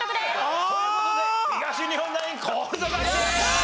あー！という事で東日本ナインコールド勝ち！